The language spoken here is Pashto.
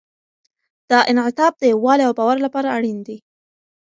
دا انعطاف د یووالي او باور لپاره اړین دی.